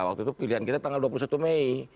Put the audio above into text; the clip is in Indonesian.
waktu itu pilihan kita tanggal dua puluh satu mei